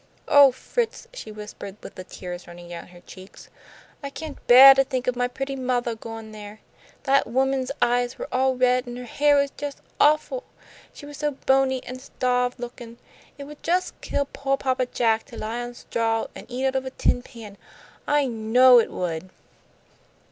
"Oh, Fritz!" she whispered, with the tears running down her cheeks, "I can't beah to think of my pretty mothah goin' there. That woman's eyes were all red, an' her hair was jus' awful. She was so bony an' stahved lookin'. It would jus' kill poah Papa Jack to lie on straw an' eat out of a tin pan. I know it would!"